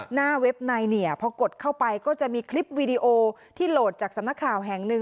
เว็บไนเนี่ยพอกดเข้าไปก็จะมีคลิปวีดีโอที่โหลดจากสำนักข่าวแห่งหนึ่ง